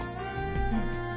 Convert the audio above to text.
うん